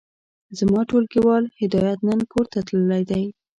زما ټولګيوال هدايت نن کورته تللی دی.